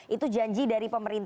itu janji dari pemerintah